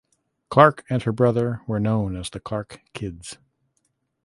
Clark and her brother were known as The Clark Kids.